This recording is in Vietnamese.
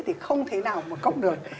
thì không thể nào một cốc được